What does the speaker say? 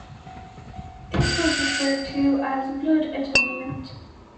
This was referred to as blood Atonement.